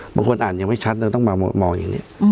บางคนอ่านยังไม่ชัดเลยต้องมามองอย่างนี้